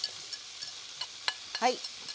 はい。